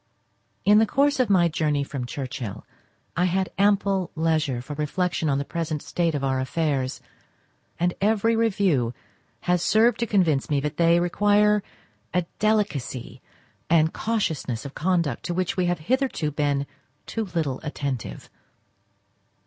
In the course of my journey from Churchhill I had ample leisure for reflection on the present state of our affairs, and every review has served to convince me that they require a delicacy and cautiousness of conduct to which we have hitherto been too little attentive.